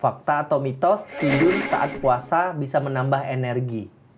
fakta atau mitos tidur saat puasa bisa menambah energi